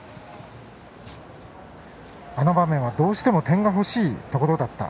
あの場面は、どうしても点が欲しいところだった。